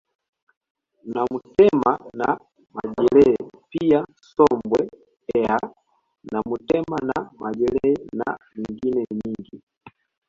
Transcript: Namutema na majelee pia sombwe eyaaa namutema na majele na nyingine nyingi